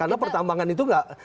karena pertambangan itu tidak